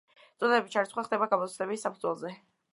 სტუდენტების ჩარიცხვა ხდება გამოცდების საფუძველზე.